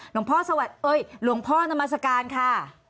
หลวงพ่อสวัสดิเอ้ยหลวงพ่อนามัศกาลค่ะ